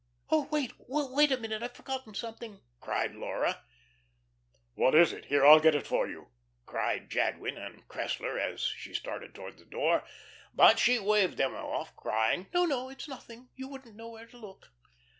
"Oh, wait wait a minute, I'd forgotten something," cried Laura. "What is it? Here, I'll get it for you," cried Jadwin and Cressler as she started toward the door. But she waved them off, crying: "No, no. It's nothing. You wouldn't know where to look."